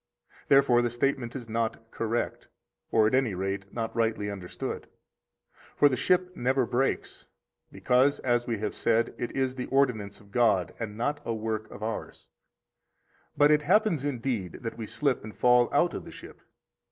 Therefore the statement is not correct, or at any rate not rightly understood. For the ship never breaks, because (as we have said) it is the ordinance of God, and not a work of ours; but it happens, indeed, that we slip and fall out of the ship.